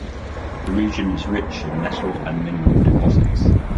The region is rich in metal and mineral deposits.